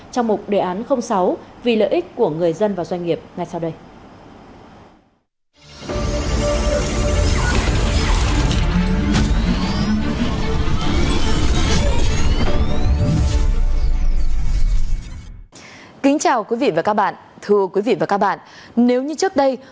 trong mục đề án sáu vì lợi ích của người dân và doanh nghiệp ngay sau đây